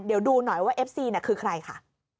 เดี๋ยวดูหน่อยว่าเอฟซีคือใครค่ะ